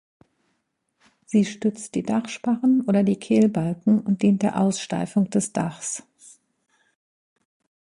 Sie stützt die Dachsparren oder die Kehlbalken und dient der Aussteifung des Dachs.